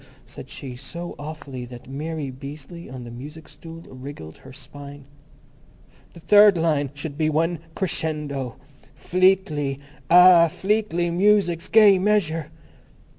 _" said she so awfully that Mary Beazley, on the music stool, wriggled her spine. "The third line should be one crescendo. _Fleetly! Ah, Fleetly Music's Gay Measure.